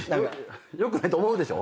良くないと思うでしょ？